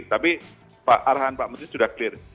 tapi arahan pak menteri sudah clear